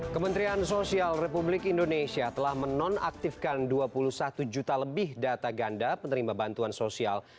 kementerian sosial republik indonesia telah menonaktifkan dua puluh satu juta lebih data ganda penerima bantuan sosial